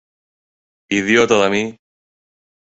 Idiota de mi!